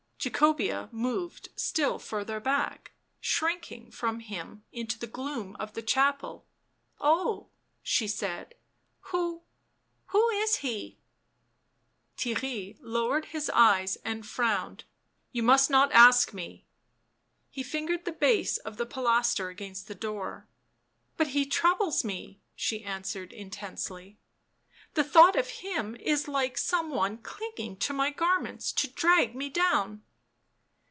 Jacobea moved still further back; shrinking from him into the gloom of the chapel. u Oh !" she said. " Who — who is he ?" Theirry lowered his eyes and frowned. " You must not ask me." He fingered the base of the pilaster against the door. " But he troubles me," she answered intensely. " The thought of him is like some one clinging to my garments to drag me down."